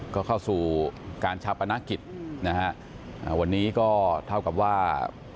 ก็เข้าสู่การชาปนกิจนะฮะวันนี้ก็เท่ากับว่า